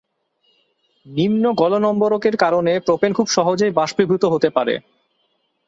নিম্ন গলনম্বরকের কারণে প্রোপেন খুব সহজেই বাষ্পীভূত হতে পারে।